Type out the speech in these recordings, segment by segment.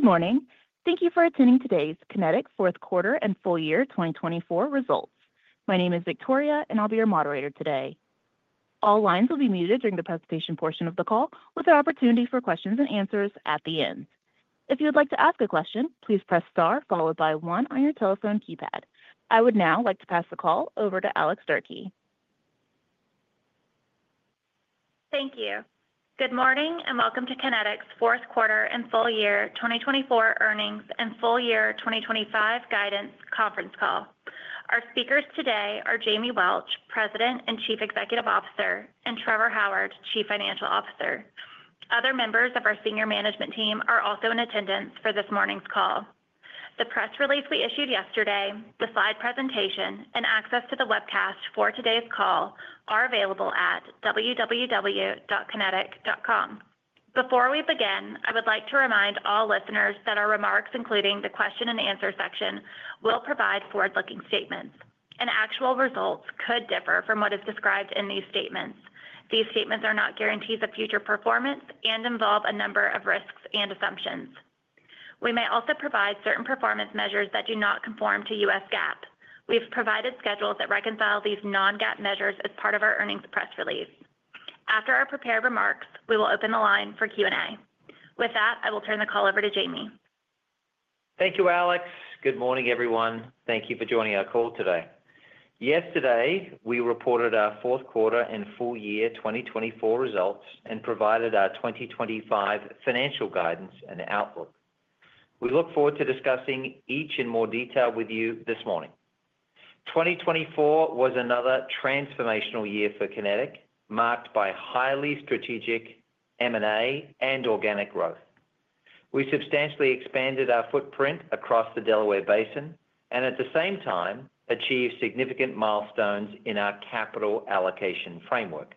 Good morning. Thank you for attending today's Kinetik Q4 and Full Year 2024 results. My name is Victoria, and I'll be your moderator today. All lines will be muted during the presentation portion of the call, with an opportunity for questions and answers at the end. If you would like to ask a question, please press star followed by one on your telephone keypad. I would now like to pass the call over to Alex Durkee. Thank you. Good morning and welcome to Kinetik's Q4 and Full Year 2024 earnings and Full Year 2025 guidance conference call. Our speakers today are Jamie Welch, President and Chief Executive Officer, and Trevor Howard, Chief Financial Officer. Other members of our senior management team are also in attendance for this morning's call. The press release we issued yesterday, the slide presentation, and access to the webcast for today's call are available at www.kinetik.com. Before we begin, I would like to remind all listeners that our remarks, including the question and answer section, will provide forward-looking statements, and actual results could differ from what is described in these statements. These statements are not guarantees of future performance and involve a number of risks and assumptions. We may also provide certain performance measures that do not conform to U.S. GAAP.We have provided schedules that reconcile these non-GAAP measures as part of our earnings press release. After our prepared remarks, we will open the line for Q&A. With that, I will turn the call over to Jamie. Thank you, Alex. Good morning, everyone. Thank you for joining our call today. Yesterday, we reported our Q4 and Full Year 2024 results and provided our 2025 financial guidance and outlook. We look forward to discussing each in more detail with you this morning. 2024 was another transformational year for Kinetik, marked by highly strategic M&A and organic growth. We substantially expanded our footprint across the Delaware Basin and, at the same time, achieved significant milestones in our capital allocation framework.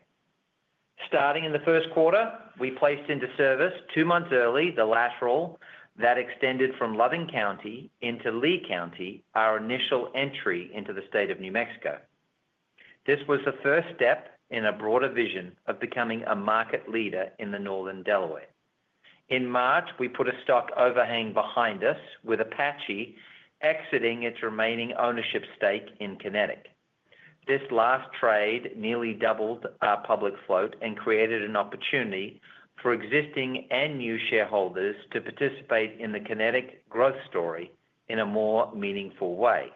Starting in the Q1, we placed into service two months early the lateral that extended from Loving County into Lea County, our initial entry into the state of New Mexico. This was the first step in a broader vision of becoming a market leader in the northern Delaware. In March, we put a stock overhang behind us, with Apache exiting its remaining ownership stake in Kinetik. This last trade nearly doubled our public float and created an opportunity for existing and new shareholders to participate in the Kinetik growth story in a more meaningful way.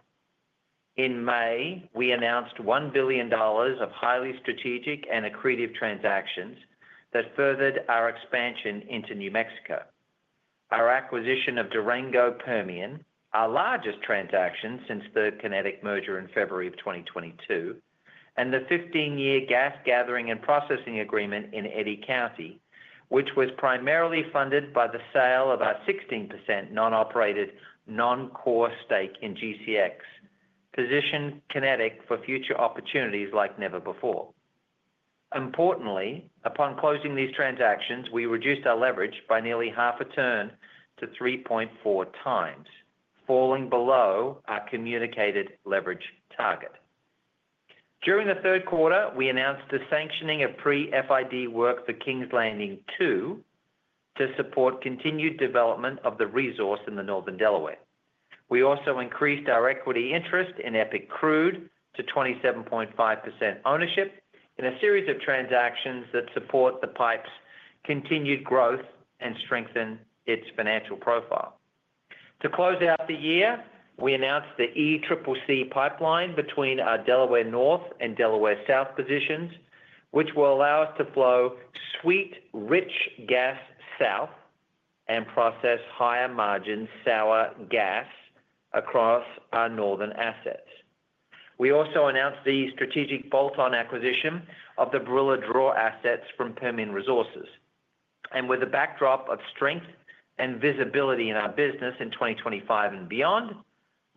In May, we announced $1 billion of highly strategic and accretive transactions that furthered our expansion into New Mexico. Our acquisition of Durango Permian, our largest transaction since the Kinetik merger in February of 2022, and the 15-year gas gathering and processing agreement in Eddy County, which was primarily funded by the sale of our 16% non-operated non-core stake in GCX, positioned Kinetik for future opportunities like never before. Importantly, upon closing these transactions, we reduced our leverage by nearly half a turn to 3.4 times, falling below our communicated leverage target. During the Q3, we announced the sanctioning of pre-FID work for Kings Landing II to support continued development of the resource in the northern Delaware. We also increased our equity interest in EPIC Crude to 27.5% ownership in a series of transactions that support the pipe's continued growth and strengthen its financial profile. To close out the year, we announced the ECCC pipeline between our Delaware North and Delaware South positions, which will allow us to flow sweet rich gas south and process higher margin sour gas across our northern assets. We also announced the strategic bolt-on acquisition of the Barilla Draw assets from Permian Resources. And with the backdrop of strength and visibility in our business in 2025 and beyond,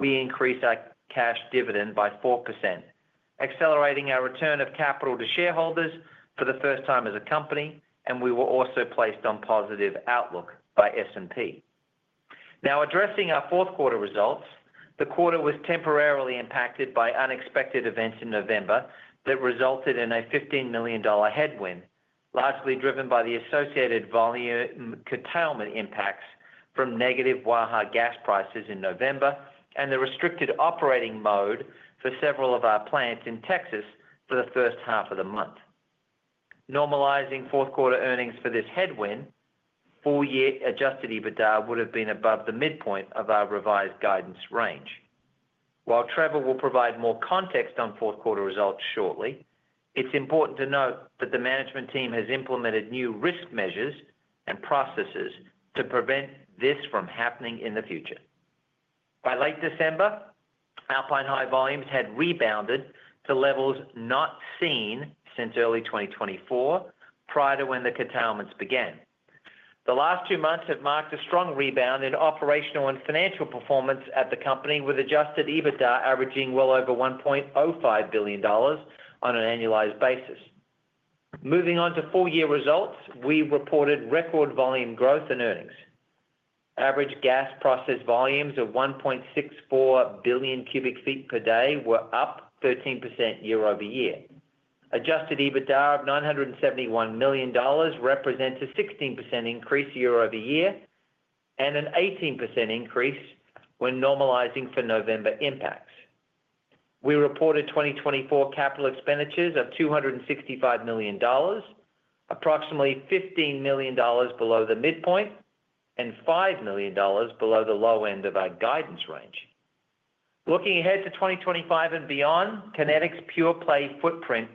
we increased our cash dividend by 4%, accelerating our return of capital to shareholders for the first time as a company, and we were also placed on positive outlook by S&P. Now, addressing our Q4 results, the quarter was temporarily impacted by unexpected events in November that resulted in a $15 million headwind, largely driven by the associated volume curtailment impacts from negative Waha gas prices in November and the restricted operating mode for several of our plants in Texas for the first half of the month. Normalizing Q4 earnings for this headwind, full-year Adjusted EBITDA would have been above the midpoint of our revised guidance range. While Trevor will provide more context on Q4 results shortly, it's important to note that the management team has implemented new risk measures and processes to prevent this from happening in the future. By late December, Alpine High volumes had rebounded to levels not seen since early 2024, prior to when the curtailments began. The last two months have marked a strong rebound in operational and financial performance at the company, with adjusted EBITDA averaging well over $1.05 billion on an annualized basis. Moving on to full year results, we reported record volume growth in earnings. Average gas processing volumes of 1.64 billion cubic feet per day were up 13% year-over-year. Adjusted EBITDA of $971 million represents a 16% increase year-over-year and an 18% increase when normalizing for November impacts. We reported 2024 capital expenditures of $265 million, approximately $15 million below the midpoint and $5 million below the low end of our guidance range. Looking ahead to 2025 and beyond, Kinetik's pure play footprint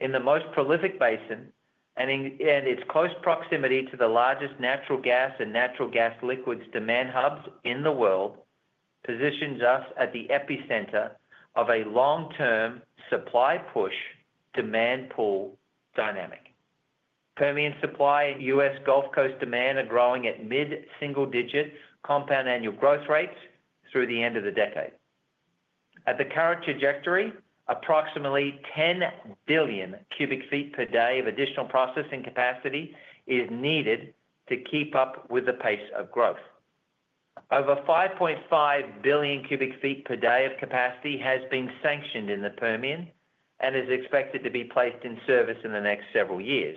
in the most prolific basin and its close proximity to the largest natural gas and natural gas liquids demand hubs in the world positions us at the epicenter of a long-term supply-push demand-pull dynamic. Permian supply and U.S. Gulf Coast demand are growing at mid-single-digit compound annual growth rates through the end of the decade. At the current trajectory, approximately 10 billion cubic feet per day of additional processing capacity is needed to keep up with the pace of growth. Over 5.5 billion cubic feet per day of capacity has been sanctioned in the Permian and is expected to be placed in service in the next several years,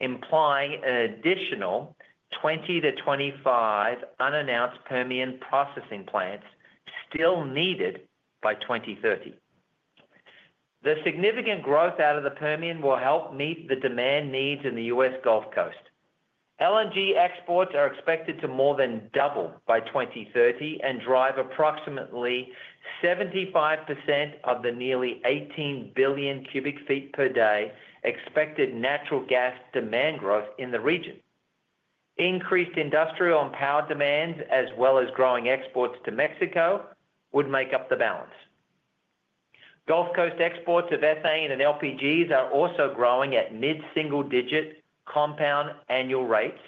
implying an additional 20-25 unannounced Permian processing plants still needed by 2030. The significant growth out of the Permian will help meet the demand needs in the U.S. Gulf Coast. LNG exports are expected to more than double by 2030 and drive approximately 75% of the nearly 18 billion cubic feet per day expected natural gas demand growth in the region. Increased industrial and power demand, as well as growing exports to Mexico, would make up the balance. Gulf Coast exports of ethane and LPGs are also growing at mid-single digit compound annual rates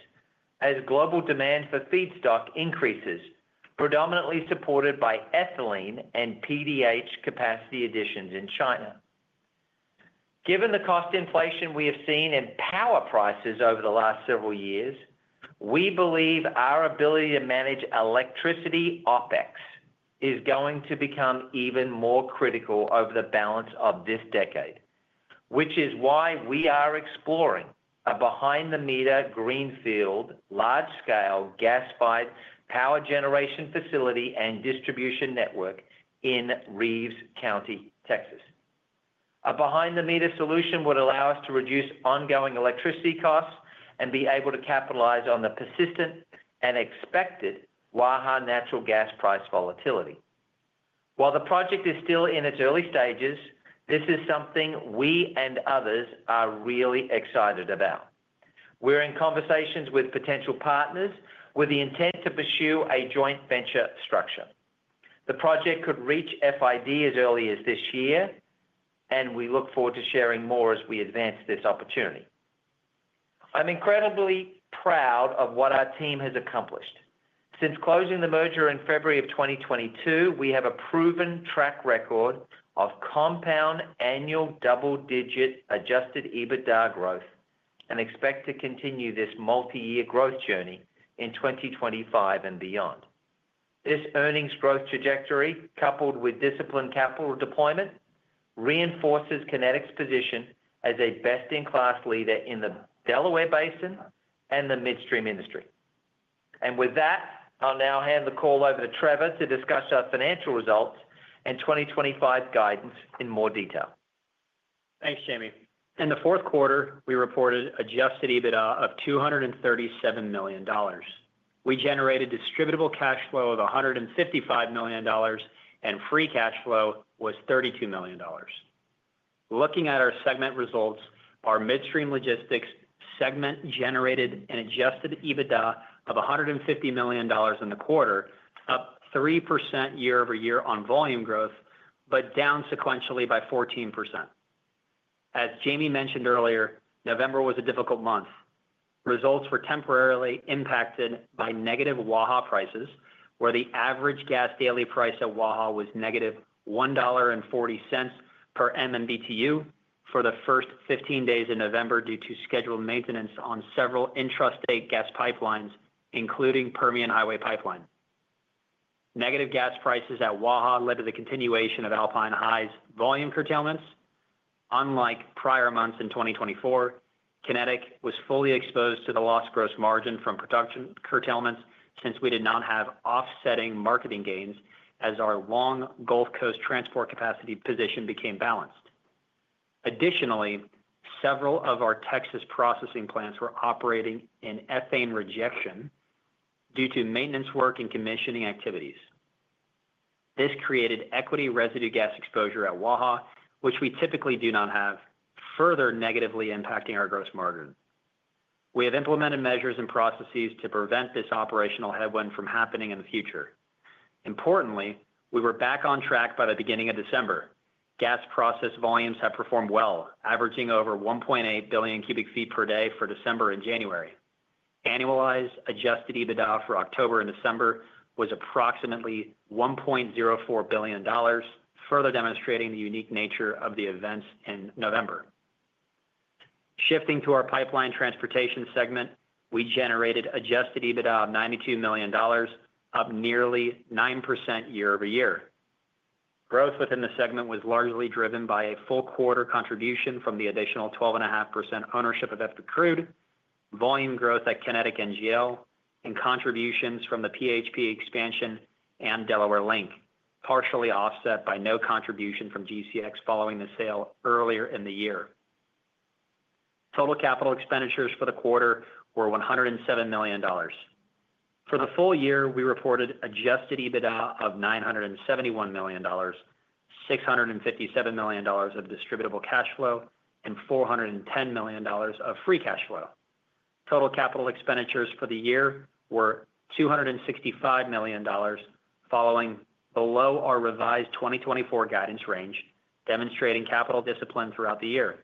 as global demand for feedstock increases, predominantly supported by ethylene and PDH capacity additions in China. Given the cost inflation we have seen in power prices over the last several years, we believe our ability to manage electricity OpEx is going to become even more critical over the balance of this decade, which is why we are exploring a behind-the-meter greenfield large-scale gas-fired power generation facility and distribution network in Reeves County, Texas. A behind-the-meter solution would allow us to reduce ongoing electricity costs and be able to capitalize on the persistent and expected Waha natural gas price volatility. While the project is still in its early stages, this is something we and others are really excited about. We're in conversations with potential partners with the intent to pursue a joint venture structure. The project could reach FID as early as this year, and we look forward to sharing more as we advance this opportunity. I'm incredibly proud of what our team has accomplished. Since closing the merger in February of 2022, we have a proven track record of compound annual double-digit Adjusted EBITDA growth and expect to continue this multi-year growth journey in 2025 and beyond. This earnings growth trajectory, coupled with disciplined capital deployment, reinforces Kinetik's position as a best-in-class leader in the Delaware Basin and the midstream industry, and with that, I'll now hand the call over to Trevor to discuss our financial results and 2025 guidance in more detail. Thanks, Jamie. In the Q4, we reported Adjusted EBITDA of $237 million. We generated Distributable Cash Flow of $155 million, and Free Cash Flow was $32 million. Looking at our segment results, our midstream logistics segment generated an Adjusted EBITDA of $150 million in the quarter, up 3% year-over-year on volume growth, but down sequentially by 14%. As Jamie mentioned earlier, November was a difficult month. Results were temporarily impacted by negative Waha prices, where the average gas daily price at Waha was -$1.40 per MMBtu for the first 15 days in November due to scheduled maintenance on several intrastate gas pipelines, including Permian Highway Pipeline. Negative gas prices at Waha led to the continuation of Alpine High's volume curtailments. Unlike prior months in 2024, Kinetik was fully exposed to the lost gross margin from production curtailments since we did not have offsetting marketing gains as our long Gulf Coast transport capacity position became balanced. Additionally, several of our Texas processing plants were operating in ethane rejection due to maintenance work and commissioning activities. This created equity residue gas exposure at Waha, which we typically do not have, further negatively impacting our gross margin. We have implemented measures and processes to prevent this operational headwind from happening in the future. Importantly, we were back on track by the beginning of December. Gas processing volumes have performed well, averaging over 1.8 billion cubic feet per day for December and January. Annualized adjusted EBITDA for October and December was approximately $1.04 billion, further demonstrating the unique nature of the events in November. Shifting to our Pipeline Transportation segment, we generated Adjusted EBITDA of $92 million, up nearly 9% year-over-year. Growth within the segment was largely driven by a full quarter contribution from the additional 12.5% ownership of EPIC Crude, volume growth at Kinetik NGL, and contributions from the PHP expansion and Delaware Link, partially offset by no contribution from GCX following the sale earlier in the year. Total capital expenditures for the quarter were $107 million. For the full year, we reported Adjusted EBITDA of $971 million, $657 million of distributable cash flow, and $410 million of Free Cash Flow. Total capital expenditures for the year were $265 million, falling below our revised 2024 guidance range, demonstrating capital discipline throughout the year.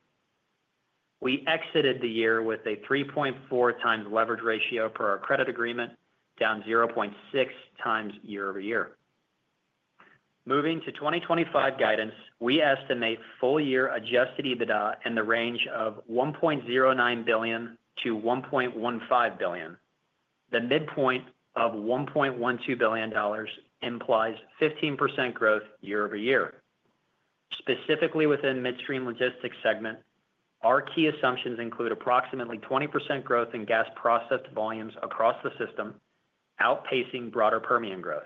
We exited the year with a 3.4 times leverage ratio per our credit agreement, down 0.6 times year-over-year. Moving to 2025 guidance, we estimate full year Adjusted EBITDA in the range of $1.09-1.15 billion. The midpoint of $1.12 billion implies 15% growth year-over-year. Specifically within midstream logistics segment, our key assumptions include approximately 20% growth in gas processed volumes across the system, outpacing broader Permian growth.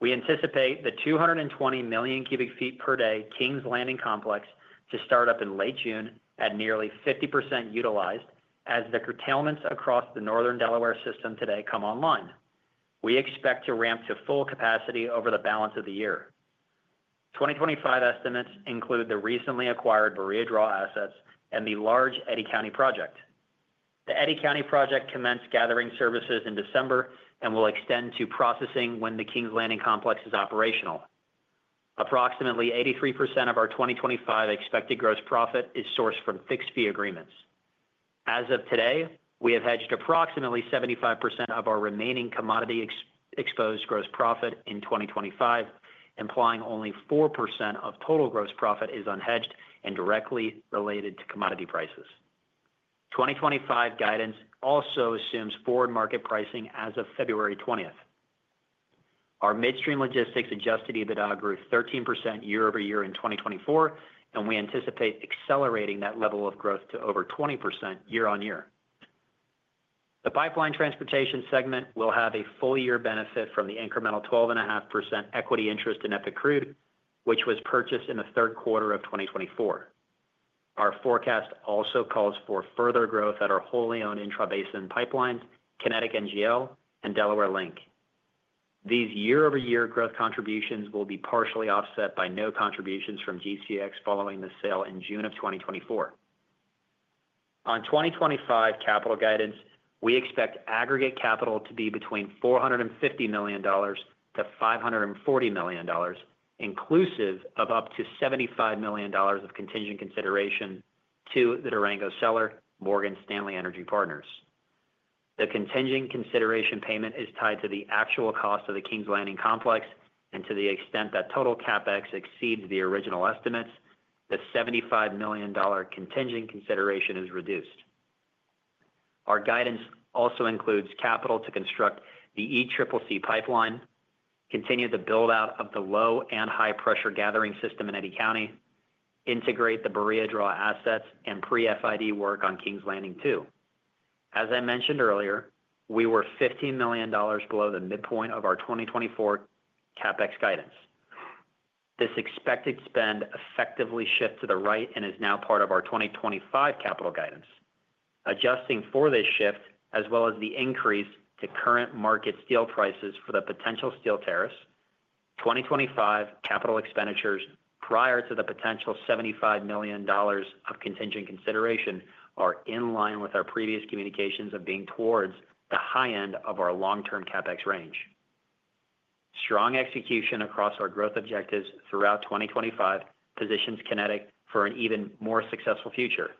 We anticipate the 220 million cubic feet per day Kings Landing complex to start up in late June at nearly 50% utilized as the curtailments across the northern Delaware system today come online. We expect to ramp to full capacity over the balance of the year. 2025 estimates include the recently acquired Barilla Draw assets and the large Eddy County project. The Eddy County project commenced gathering services in December and will extend to processing when the Kings Landing complex is operational. Approximately 83% of our 2025 expected gross profit is sourced from fixed fee agreements. As of today, we have hedged approximately 75% of our remaining commodity exposed gross profit in 2025, implying only 4% of total gross profit is unhedged and directly related to commodity prices. 2025 guidance also assumes forward market pricing as of February 20th. Our midstream logistics adjusted EBITDA grew 13% year-over-year in 2024, and we anticipate accelerating that level of growth to over 20% year on year. The Pipeline Transportation segment will have a full year benefit from the incremental 12.5% equity interest in EPIC Crude, which was purchased in the Q3 of 2024. Our forecast also calls for further growth at our wholly owned intrabasin pipelines, Kinetik NGL, and Delaware Link. These year-over-year growth contributions will be partially offset by no contributions from GCX following the sale in June of 2024. On 2025 capital guidance, we expect aggregate capital to be between $450-540 million, inclusive of up to $75 million of contingent consideration to the Durango seller, Morgan Stanley Energy Partners. The contingent consideration payment is tied to the actual cost of the Kings Landing complex and to the extent that total CapEx exceeds the original estimates, the $75 million contingent consideration is reduced. Our guidance also includes capital to construct the ECCC pipeline, continue the build-out of the low and high pressure gathering system in Eddy County, integrate the Barilla Draw assets, and pre-FID work on Kings Landing II. As I mentioned earlier, we were $15 million below the midpoint of our 2024 CapEx guidance. This expected spend effectively shifted to the right and is now part of our 2025 capital guidance. Adjusting for this shift, as well as the increase to current market steel prices for the potential steel tariffs, 2025 capital expenditures prior to the potential $75 million of contingent consideration are in line with our previous communications of being towards the high end of our long-term CapEx range. Strong execution across our growth objectives throughout 2025 positions Kinetik for an even more successful future.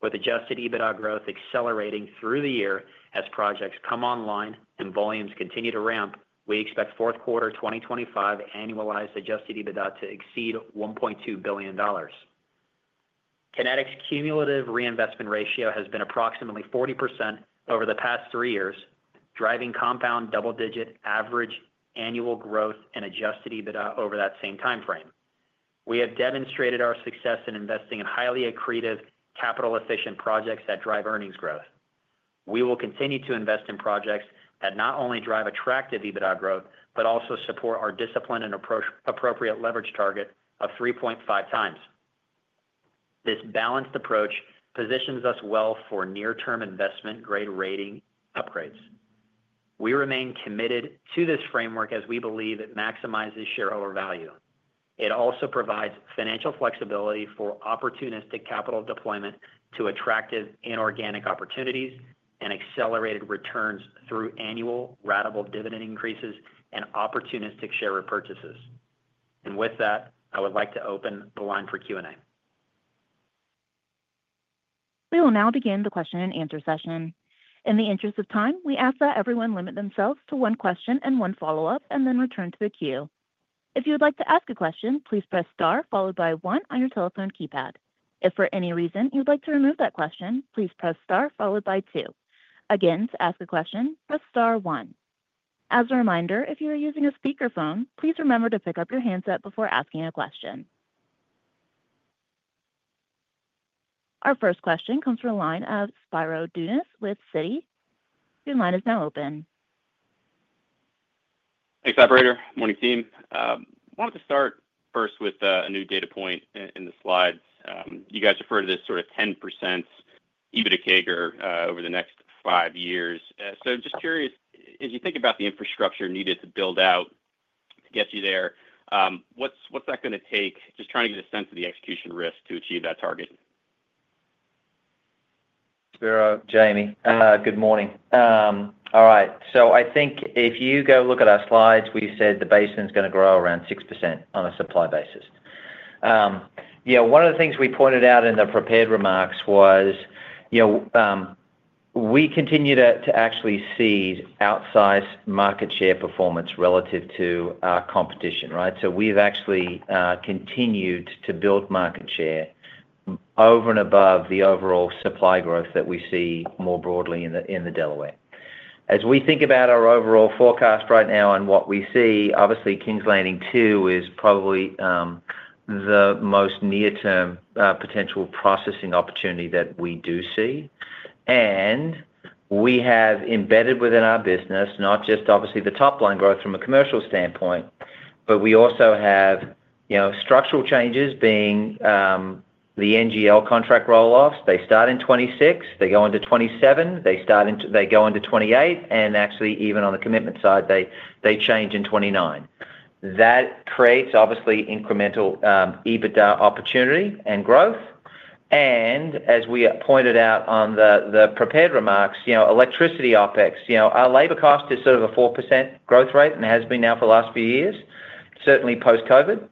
With adjusted EBITDA growth accelerating through the year as projects come online and volumes continue to ramp, we expect Q4 2025 annualized adjusted EBITDA to exceed $1.2 billion. Kinetik's cumulative reinvestment ratio has been approximately 40% over the past three years, driving compound double-digit average annual growth and adjusted EBITDA over that same timeframe. We have demonstrated our success in investing in highly accretive, capital-efficient projects that drive earnings growth. We will continue to invest in projects that not only drive attractive EBITDA growth but also support our discipline and approach-appropriate leverage target of 3.5 times. This balanced approach positions us well for near-term investment-grade rating upgrades. We remain committed to this framework as we believe it maximizes shareholder value. It also provides financial flexibility for opportunistic capital deployment to attractive inorganic opportunities and accelerated returns through annual ratable dividend increases and opportunistic share repurchases, and with that, I would like to open the line for Q&A. We will now begin the question-and-answer session. In the interest of time, we ask that everyone limit themselves to one question and one follow-up, and then return to the queue. If you would like to ask a question, please press Star followed by 1 on your telephone keypad. If for any reason you'd like to remove that question, please press Star followed by 2. Again, to ask a question, press Star 1. As a reminder, if you are using a speakerphone, please remember to pick up your handset before asking a question. Our first question comes from a line of Spiro Dounis with Citi. Your line is now open. Hey, Jamie Welch. Morning, team. I wanted to start first with a new data point in the slides. You guys refer to this sort of 10% EBITDA CAGR over the next five years. So I'm just curious, as you think about the infrastructure needed to build out to get you there, what's that going to take? Just trying to get a sense of the execution risk to achieve that target. Spiro, Jamie, good morning. All right, so I think if you go look at our slides, we said the basin's going to grow around 6% on a supply basis. Yeah, one of the things we pointed out in the prepared remarks was we continue to actually see outsized market share performance relative to our competition, right? So we've actually continued to build market share over and above the overall supply growth that we see more broadly in the Delaware. As we think about our overall forecast right now and what we see, obviously, Kings Landing 2 is probably the most near-term potential processing opportunity that we do see, and we have embedded within our business not just, obviously, the top-line growth from a commercial standpoint, but we also have structural changes being the NGL contract rolloffs. They start in 2026, they go into 2027, they go into 2028, and actually, even on the commitment side, they change in 2029. That creates, obviously, incremental EBITDA opportunity and growth. And as we pointed out on the prepared remarks, electricity OpEx, our labor cost is sort of a 4% growth rate and has been now for the last few years, certainly post-COVID.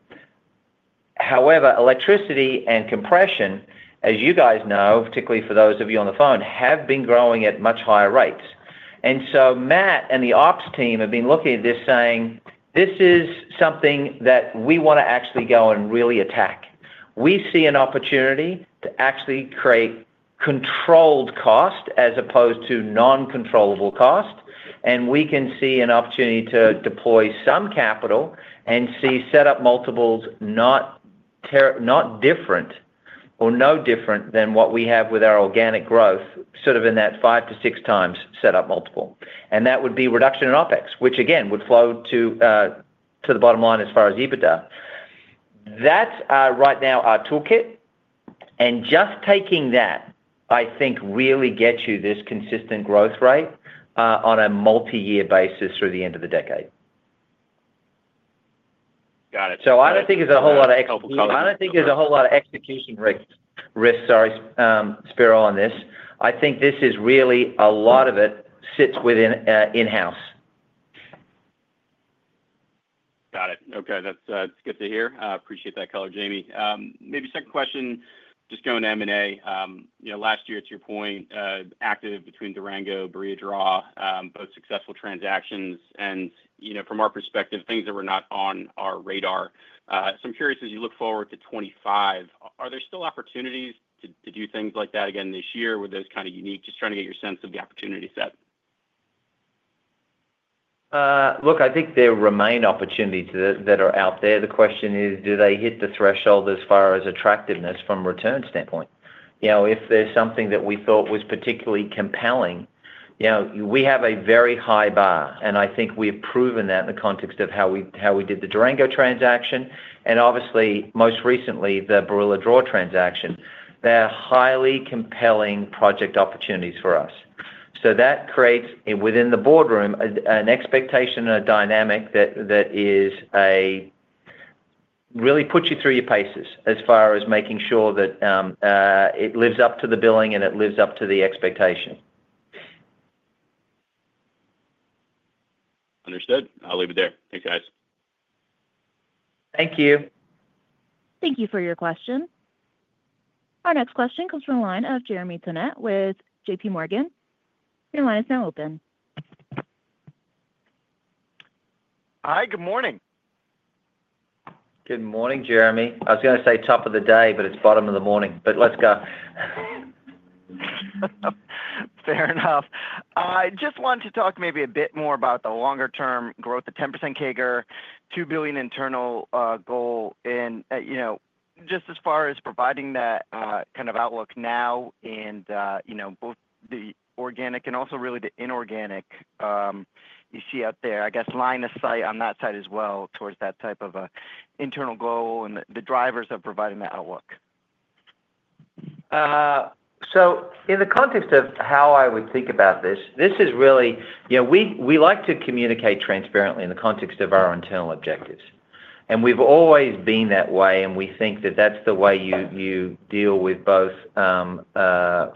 However, electricity and compression, as you guys know, particularly for those of you on the phone, have been growing at much higher rates. And so Matt and the Ops team have been looking at this saying, "This is something that we want to actually go and really attack. We see an opportunity to actually create controlled cost as opposed to non-controllable cost, and we can see an opportunity to deploy some capital and see setup multiples not different or no different than what we have with our organic growth, sort of in that five to six times setup multiple," and that would be reduction in OpEx, which, again, would flow to the bottom line as far as EBITDA. That's right now our toolkit, and just taking that, I think, really gets you this consistent growth rate on a multi-year basis through the end of the decade. Got it. That's helpful. So I don't think there's a whole lot of execution risk, sorry, Spiro, on this. I think this is really a lot of it sits within in-house. Got it. Okay. That's good to hear. Appreciate that color, Jamie. My second question, just going to M&A. Last year, to your point, active between Durango, Barilla Draw, both successful transactions, and from our perspective, things that were not on our radar, so I'm curious, as you look forward to 2025, are there still opportunities to do things like that again this year? Were those kind of unique? Just trying to get your sense of the opportunity set. Look, I think there remain opportunities that are out there. The question is, do they hit the threshold as far as attractiveness from a return standpoint? If there's something that we thought was particularly compelling, we have a very high bar. And I think we've proven that in the context of how we did the Durango transaction. And obviously, most recently, the Barilla Draw transaction, they're highly compelling project opportunities for us. So that creates within the boardroom an expectation and a dynamic that really puts you through your paces as far as making sure that it lives up to the billing and it lives up to the expectation. Understood. I'll leave it there. Thanks, guys. Thank you. Thank you for your question. Our next question comes from a line of Jeremy Tonet with J.P. Morgan. Your line is now open. Hi. Good morning. Good morning, Jeremy. I was going to say top of the day, but it's bottom of the morning. But let's go. Fair enough. I just wanted to talk maybe a bit more about the longer-term growth, the 10% CAGR, $2 billion internal goal. And just as far as providing that kind of outlook now in both the organic and also really the inorganic you see out there, I guess, line of sight on that side as well towards that type of internal goal and the drivers of providing that outlook. So, in the context of how I would think about this, this is really we like to communicate transparently in the context of our internal objectives. And we've always been that way, and we think that that's the way you deal with both from a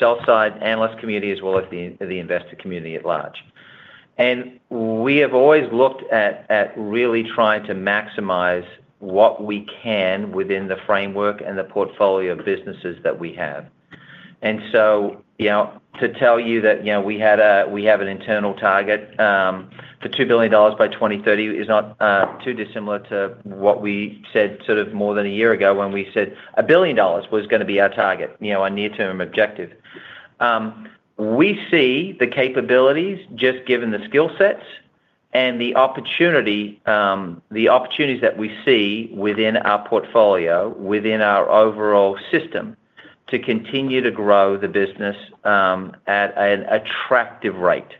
sell-side analyst community as well as the investor community at large. And we have always looked at really trying to maximize what we can within the framework and the portfolio of businesses that we have. And so to tell you that we have an internal target for $2 billion by 2030 is not too dissimilar to what we said sort of more than a year ago when we said $1 billion was going to be our target, our near-term objective. We see the capabilities just given the skill sets and the opportunities that we see within our portfolio, within our overall system to continue to grow the business at an attractive rate.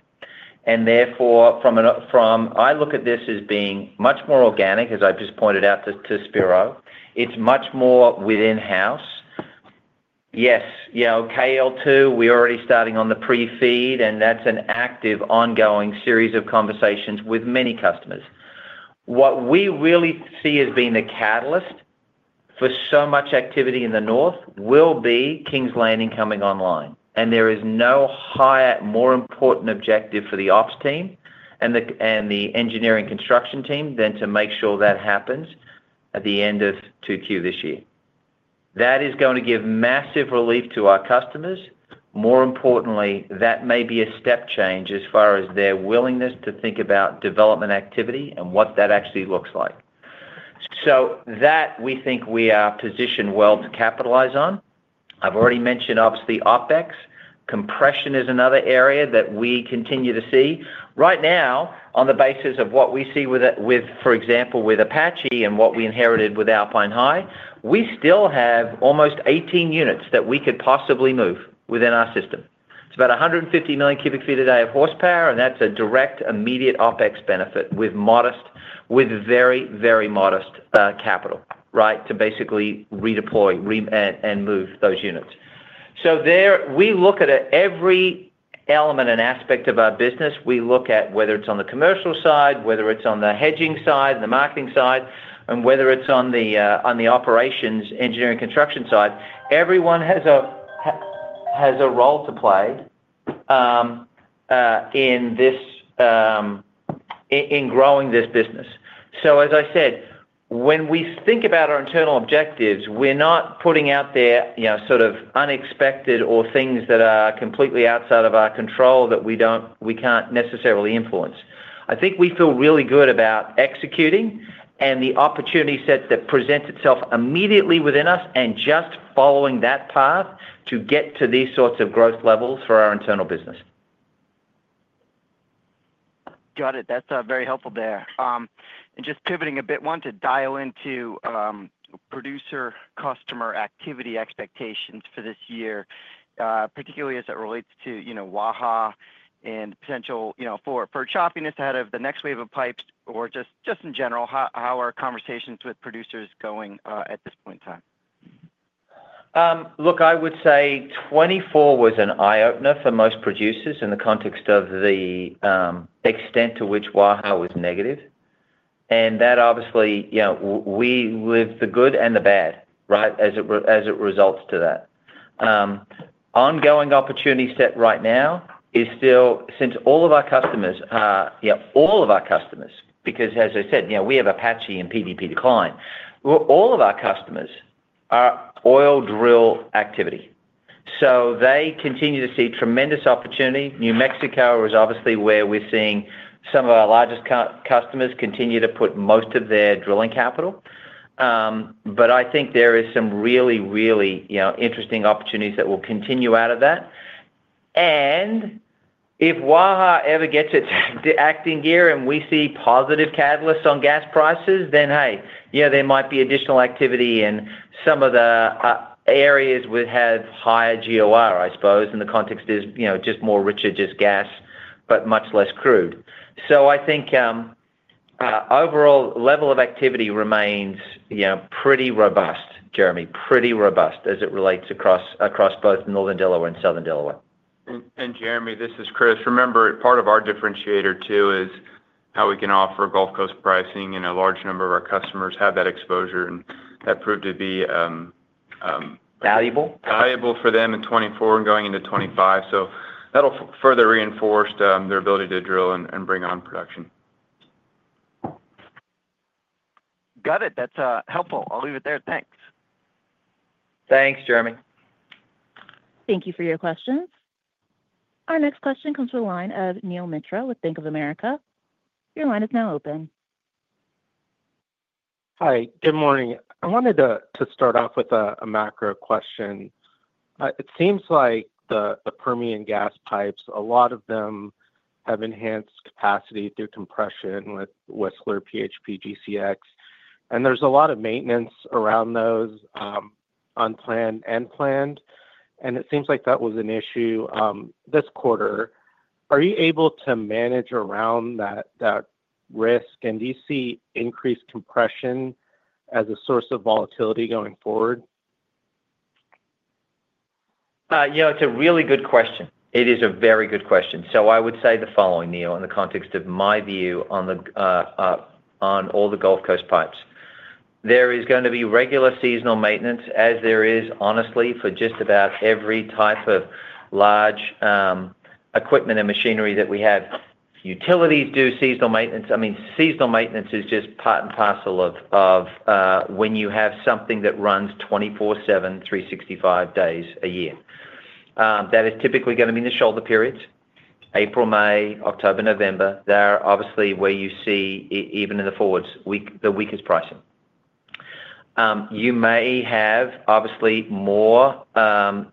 And therefore, I look at this as being much more organic, as I've just pointed out to Spiro. It's much more in-house. Yes. KL2, we're already starting on the pre-FEED, and that's an active, ongoing series of conversations with many customers. What we really see as being the catalyst for so much activity in the north will be Kings Landing coming online. And there is no higher, more important objective for the Ops team and the engineering construction team than to make sure that happens at the end of Q2 this year. That is going to give massive relief to our customers. More importantly, that may be a step change as far as their willingness to think about development activity and what that actually looks like. So that, we think we are positioned well to capitalize on. I've already mentioned, obviously, OpEx. Compression is another area that we continue to see. Right now, on the basis of what we see with, for example, with Apache and what we inherited with Alpine High, we still have almost 18 units that we could possibly move within our system. It's about 150 million cubic feet a day of horsepower, and that's a direct, immediate OpEx benefit with very, very modest capital, right, to basically redeploy and move those units. So we look at every element and aspect of our business. We look at whether it's on the commercial side, whether it's on the hedging side, the marketing side, and whether it's on the operations, engineering, construction side. Everyone has a role to play in growing this business. So as I said, when we think about our internal objectives, we're not putting out there sort of unexpected or things that are completely outside of our control that we can't necessarily influence. I think we feel really good about executing and the opportunity set that presents itself immediately within us and just following that path to get to these sorts of growth levels for our internal business. Got it. That's very helpful there. And just pivoting a bit, wanted to dial into producer-customer activity expectations for this year, particularly as it relates to Waha and potential for choppiness ahead of the next wave of pipes or just in general, how are conversations with producers going at this point in time? Look, I would say 2024 was an eye-opener for most producers in the context of the extent to which Waha was negative. And that, obviously, we live the good and the bad, right, as it relates to that. Ongoing opportunity set right now is still, since all of our customers are all of our customers, because, as I said, we have Apache and PDP decline. All of our customers are oil drill activity. So they continue to see tremendous opportunity. New Mexico is obviously where we're seeing some of our largest customers continue to put most of their drilling capital. But I think there are some really, really interesting opportunities that will continue out of that. And if Waha ever gets its act together and we see positive catalysts on gas prices, then hey, there might be additional activity in some of the areas with higher GOR, I suppose, in the context of just more richer gas, but much less crude. So I think overall level of activity remains pretty robust, Jeremy, pretty robust as it relates across both northern Delaware and southern Delaware. And Jeremy, this is Kris. Remember, part of our differentiator too is how we can offer Gulf Coast pricing. And a large number of our customers have that exposure, and that proved to be. Valuable.Valuable for them in 2024 and going into 2025. So that'll further reinforce their ability to drill and bring on production. Got it. That's helpful. I'll leave it there. Thanks. Thanks, Jeremy. Thank you for your questions. Our next question comes from a line of Neel Mitra with Bank of America. Your line is now open. Hi. Good morning. I wanted to start off with a macro question. It seems like the Permian gas pipes, a lot of them have enhanced capacity through compression with Whistler, PHP, GCX, and there's a lot of maintenance around those unplanned and planned, and it seems like that was an issue this quarter. Are you able to manage around that risk, and do you see increased compression as a source of volatility going forward? Yeah. It's a really good question. It is a very good question. So I would say the following, Neel, in the context of my view on all the Gulf Coast pipes. There is going to be regular seasonal maintenance, as there is, honestly, for just about every type of large equipment and machinery that we have. Utilities do seasonal maintenance. I mean, seasonal maintenance is just part and parcel of when you have something that runs 24/7, 365 days a year. That is typically going to be in the shoulder periods, April, May, October, November. They're obviously where you see, even in the forwards, the weakest pricing. You may have, obviously, more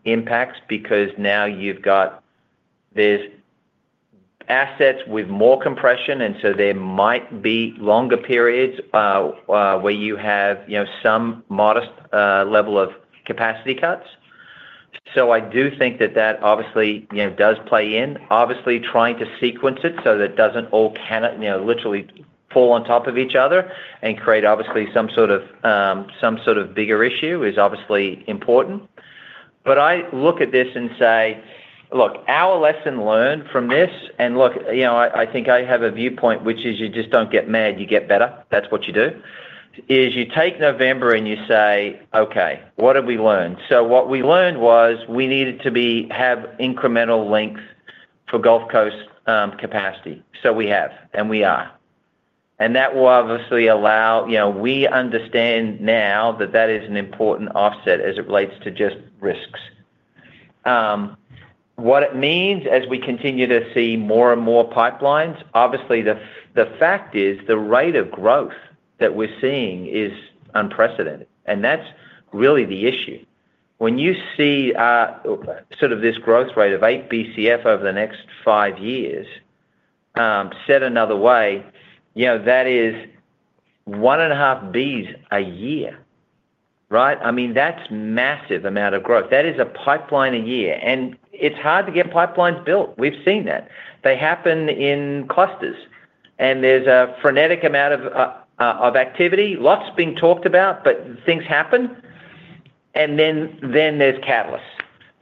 impacts because now you've got assets with more compression. And so there might be longer periods where you have some modest level of capacity cuts. So I do think that that, obviously, does play in. Obviously, trying to sequence it so that it doesn't all literally fall on top of each other and create, obviously, some sort of bigger issue is obviously important. But I look at this and say, "Look, our lesson learned from this." And look, I think I have a viewpoint, which is you just don't get mad. You get better. That's what you do. Is you take November and you say, "Okay. What have we learned?" So what we learned was we needed to have incremental length for Gulf Coast capacity. So we have, and we are. And that will obviously allow we understand now that that is an important offset as it relates to just risks. What it means as we continue to see more and more pipelines, obviously, the fact is the rate of growth that we're seeing is unprecedented. And that's really the issue. When you see sort of this growth rate of eight BCF over the next five years, said another way, that is one and a half Bs a year, right? I mean, that's a massive amount of growth. That is a pipeline a year. And it's hard to get pipelines built. We've seen that. They happen in clusters. And there's a frenetic amount of activity. Lots being talked about, but things happen. And then there's catalysts.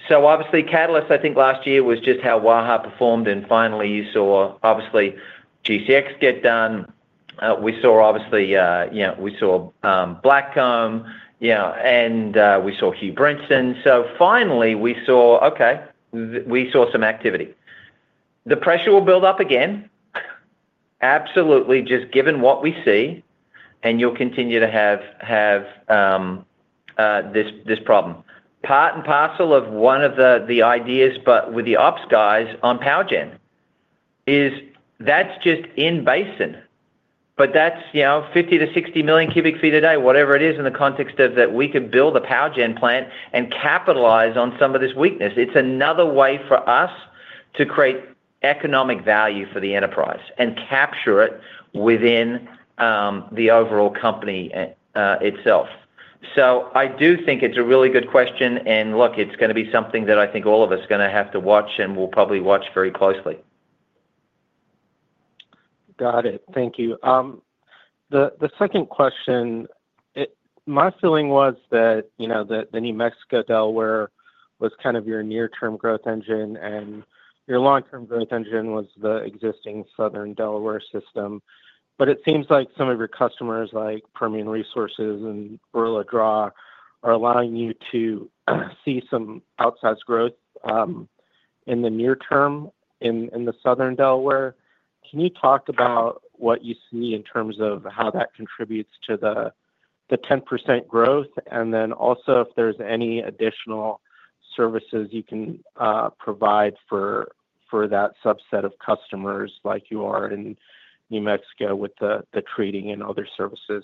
So obviously, catalysts. I think last year was just how Waha performed. And finally, you saw, obviously, GCX get done. We saw, obviously, Blackcomb. And we saw Whistler. So finally, we saw some activity. The pressure will build up again, absolutely, just given what we see. And you'll continue to have this problem. Part and parcel of one of the ideas, but with the Ops guys on power gen, is that's just in basin. But that's 50-60 million cubic feet a day, whatever it is in the context of that we could build a power gen plant and capitalize on some of this weakness. It's another way for us to create economic value for the enterprise and capture it within the overall company itself. So I do think it's a really good question, and look, it's going to be something that I think all of us are going to have to watch and will probably watch very closely. Got it. Thank you. The second question, my feeling was that the New Mexico-Delaware was kind of your near-term growth engine, and your long-term growth engine was the existing southern Delaware system. But it seems like some of your customers like Permian Resources and Barilla Draw are allowing you to see some outsized growth in the near term in the southern Delaware. Can you talk about what you see in terms of how that contributes to the 10% growth? And then also if there's any additional services you can provide for that subset of customers like you are in New Mexico with the treating and other services.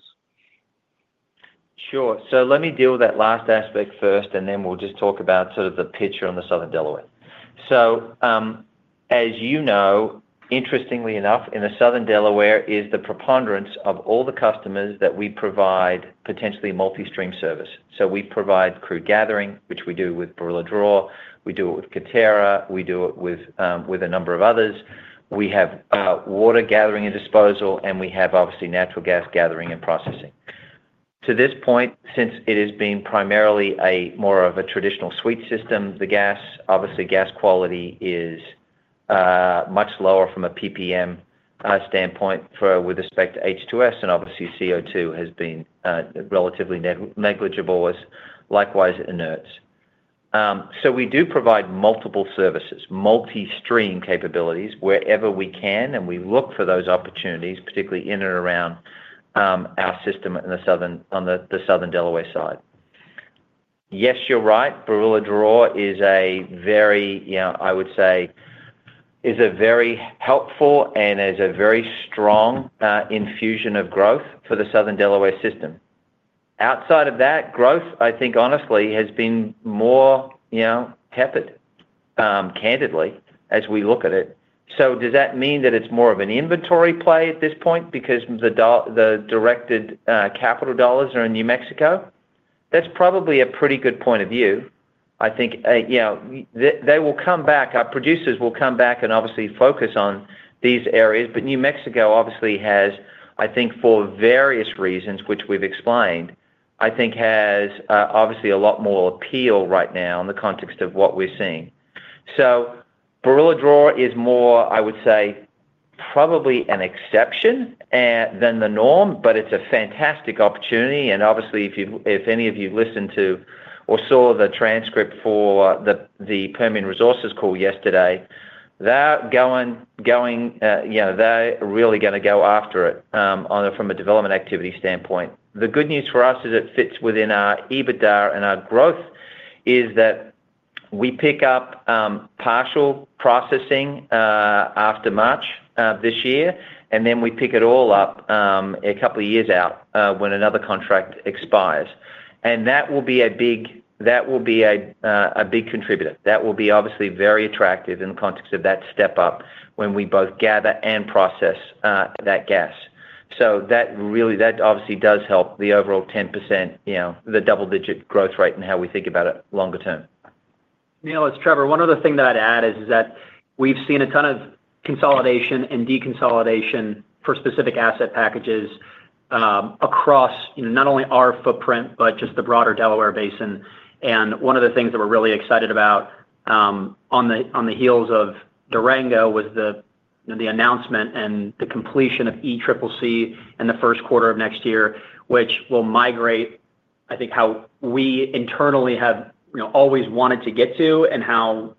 Sure. So let me deal with that last aspect first, and then we'll just talk about sort of the picture on the southern Delaware. So as you know, interestingly enough, in the southern Delaware is the preponderance of all the customers that we provide potentially multi-stream service. So we provide crude gathering, which we do with Barilla Draw. We do it with Coterra. We do it with a number of others. We have water gathering and disposal, and we have obviously natural gas gathering and processing. To this point, since it is being primarily more of a traditional sweet system, the gas, obviously, gas quality is much lower from a PPM standpoint with respect to H2S. And obviously, CO2 has been relatively negligible, likewise inerts. So we do provide multiple services, multi-stream capabilities wherever we can. We look for those opportunities, particularly in and around our system on the southern Delaware side. Yes, you're right. Barilla Draw is a very, I would say, helpful and very strong infusion of growth for the southern Delaware system. Outside of that, growth, I think, honestly, has been more tepid, candidly, as we look at it. Does that mean that it's more of an inventory play at this point because the directed capital dollars are in New Mexico? That's probably a pretty good point of view. I think they will come back. Our producers will come back and obviously focus on these areas. New Mexico obviously has, I think, for various reasons, which we've explained, obviously a lot more appeal right now in the context of what we're seeing. Barilla Draw is more, I would say, probably an exception than the norm, but it's a fantastic opportunity. And obviously, if any of you listened to or saw the transcript for the Permian Resources call yesterday, they're really going to go after it from a development activity standpoint. The good news for us is it fits within our EBITDA and our growth is that we pick up partial processing after March this year, and then we pick it all up a couple of years out when another contract expires. And that will be a big contributor. That will be obviously very attractive in the context of that step up when we both gather and process that gas. So that obviously does help the overall 10%, the double-digit growth rate and how we think about it longer term. Neel, as Trevor, one other thing that I'd add is that we've seen a ton of consolidation and deconsolidation for specific asset packages across not only our footprint, but just the broader Delaware Basin, and one of the things that we're really excited about on the heels of Durango was the announcement and the completion of ECCC in the Q1 of next year, which will migrate, I think, how we internally have always wanted to get to and how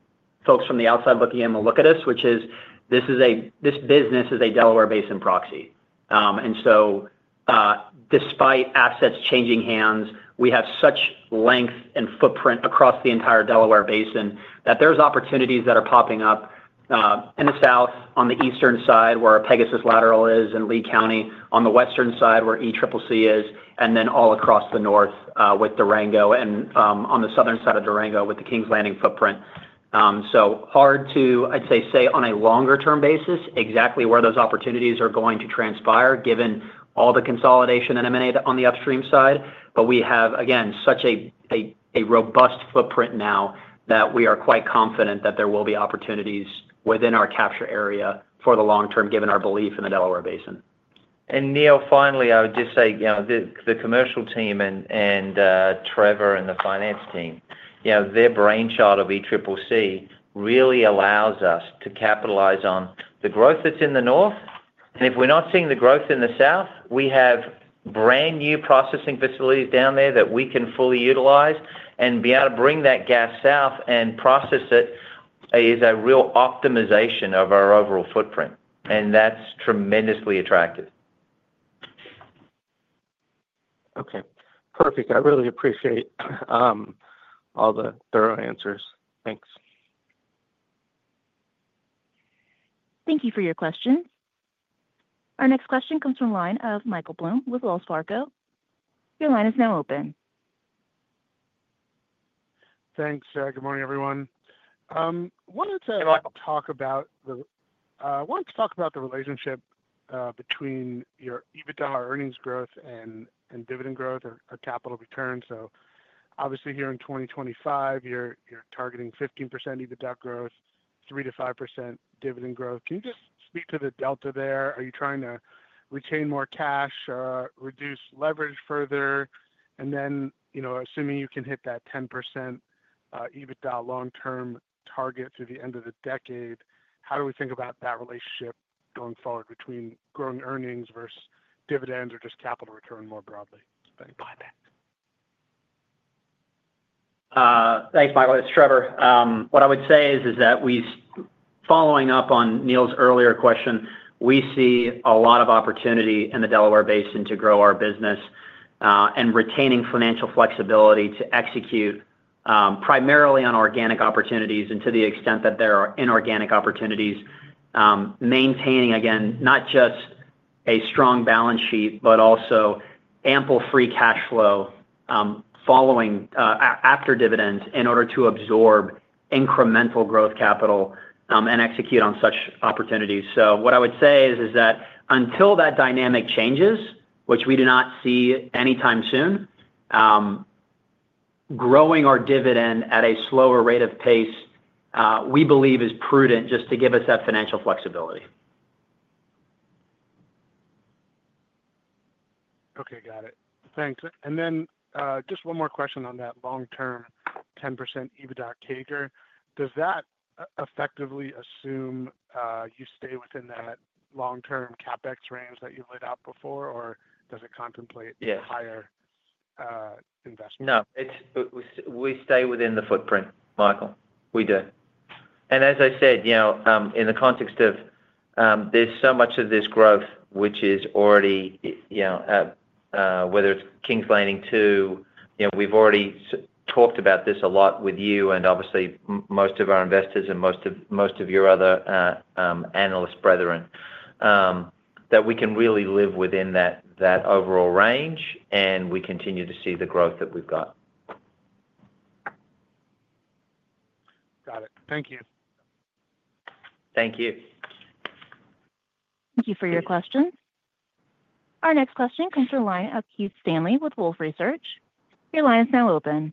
folks from the outside looking in will look at us, which is this business is a Delaware Basin proxy. And so, despite assets changing hands, we have such length and footprint across the entire Delaware Basin that there's opportunities that are popping up in the south on the eastern side where Pegasus Lateral is and Lea County on the western side where ECCC is, and then all across the north with Durango and on the southern side of Durango with the Kings Landing footprint. So hard to, I'd say, on a longer-term basis exactly where those opportunities are going to transpire given all the consolidation and M&A on the upstream side. But we have, again, such a robust footprint now that we are quite confident that there will be opportunities within our capture area for the long term, given our belief in the Delaware Basin. And Neel, finally, I would just say the commercial team and Trevor and the finance team, their brainchild of ECCC really allows us to capitalize on the growth that's in the north. And if we're not seeing the growth in the south, we have brand new processing facilities down there that we can fully utilize. And being able to bring that gas south and process it is a real optimization of our overall footprint. And that's tremendously attractive. Okay. Perfect. I really appreciate all the thorough answers. Thanks. Thank you for your questions. Our next question comes from a line of Michael Blum with Wells Fargo. Your line is now open. Thanks. Good morning, everyone. I wanted to talk about the relationship between your EBITDA earnings growth and dividend growth or capital return. So obviously, here in 2025, you're targeting 15% EBITDA growth, 3%-5% dividend growth. Can you just speak to the delta there? Are you trying to retain more cash, reduce leverage further? And then assuming you can hit that 10% EBITDA long-term target through the end of the decade, how do we think about that relationship going forward between growing earnings versus dividends or just capital return more broadly? Thanks. Got it. Thanks, Michael. It's Trevor. What I would say is that, following up on Neel's earlier question, we see a lot of opportunity in the Delaware Basin to grow our business and retaining financial flexibility to execute primarily on organic opportunities and, to the extent that there are inorganic opportunities, maintaining, again, not just a strong balance sheet, but also ample Free Cash Flow after dividends in order to absorb incremental growth capital and execute on such opportunities. So what I would say is that until that dynamic changes, which we do not see anytime soon, growing our dividend at a slower rate of pace, we believe, is prudent just to give us that financial flexibility. Okay. Got it. Thanks. And then just one more question on that long-term 10% EBITDA CAGR. Does that effectively assume you stay within that long-term CapEx range that you laid out before, or does it contemplate higher investment? No. We stay within the footprint, Michael. We do. And as I said, in the context of there's so much of this growth, which is already whether it's Kings Landing 2, we've already talked about this a lot with you and obviously most of our investors and most of your other analyst brethren, that we can really live within that overall range and we continue to see the growth that we've got. Got it. Thank you. Thank you. Thank you for your questions. Our next question comes from a line of Keith Stanley with Wolfe Research. Your line is now open.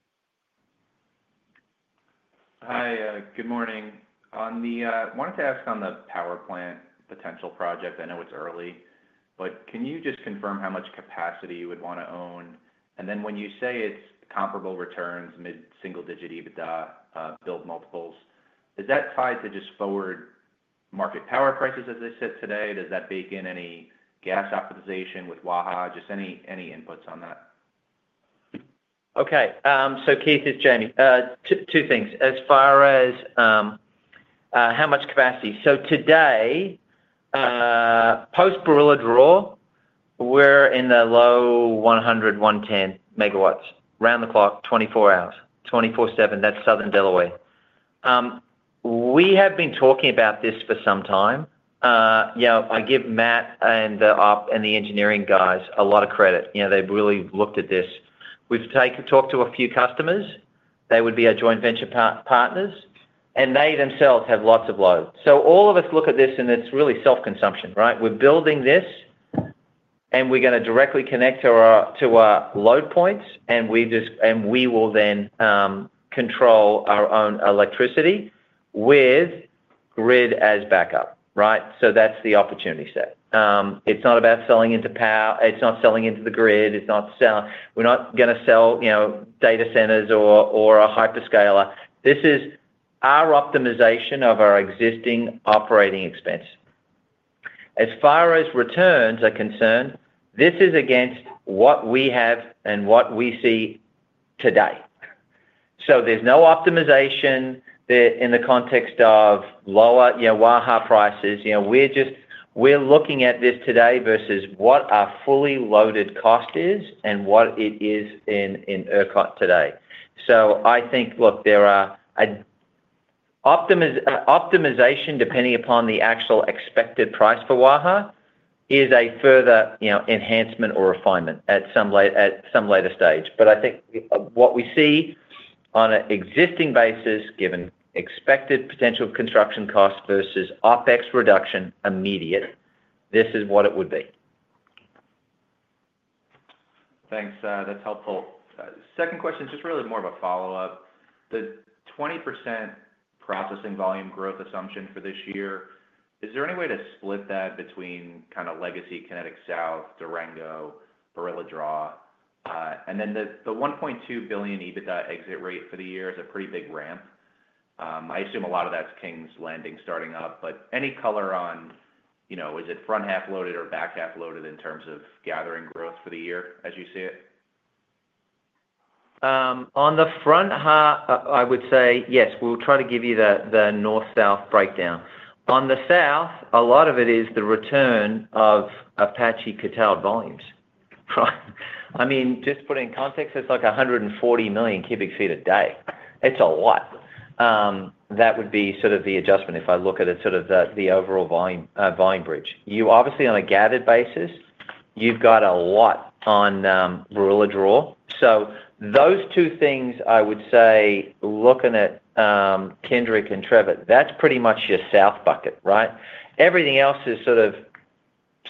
Hi. Good morning. I wanted to ask on the power plant potential project. I know it's early, but can you just confirm how much capacity you would want to own? And then when you say it's comparable returns, mid-single-digit EBITDA, build multiples, is that tied to just forward market power prices as they sit today? Does that bake in any gas optimization with Waha? Just any inputs on that? Okay. So, Keith, it's Jamie. Two things. As far as how much capacity. So today, post-Barilla Draw, we're in the low 100, 110 megawatts, round the clock, 24 hours, 24/7. That's southern Delaware. We have been talking about this for some time. I give Matt and the engineering guys a lot of credit. They've really looked at this. We've talked to a few customers. They would be our joint venture partners. And they themselves have lots of load. So all of us look at this and it's really self-consumption, right? We're building this and we're going to directly connect to our load points and we will then control our own electricity with grid as backup, right? So that's the opportunity set. It's not about selling into power. It's not selling into the grid. We're not going to sell data centers or a hyperscaler. This is our optimization of our existing operating expense. As far as returns are concerned, this is against what we have and what we see today. So there's no optimization in the context of lower Waha prices. We're looking at this today versus what our fully loaded cost is and what it is in ERCOT today. So I think, look, there are optimization depending upon the actual expected price for Waha is a further enhancement or refinement at some later stage. But I think what we see on an existing basis, given expected potential construction costs versus OpEx reduction immediate, this is what it would be. Thanks. That's helpful. Second question, just really more of a follow-up. The 20% processing volume growth assumption for this year, is there any way to split that between kind of Legacy, Kinetik South, Durango, Barilla Draw? And then the 1.2 billion EBITDA exit rate for the year is a pretty big ramp. I assume a lot of that's Kings Landing starting up, but any color on is it front half loaded or back half loaded in terms of gathering growth for the year as you see it? On the front half, I would say, yes, we'll try to give you the north-south breakdown. On the south, a lot of it is the return of Apache curtailed volumes. I mean, just putting context, it's like 140 million cubic feet a day. It's a lot. That would be sort of the adjustment if I look at it sort of the overall volume bridge. Obviously, on a gathered basis, you've got a lot on Barilla Draw. So those two things, I would say, looking at Kendrick and Trevor, that's pretty much your south bucket, right? Everything else is sort of